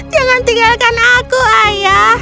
jangan tinggalkan aku ayah